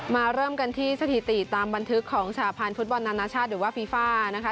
เริ่มกันที่สถิติตามบันทึกของสหพันธ์ฟุตบอลนานาชาติหรือว่าฟีฟ่านะคะ